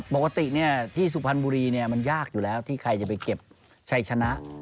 ปกติที่สุพรรณบุรีมันยากอยู่แล้วที่ใครจะไปเก็บชัยชนะ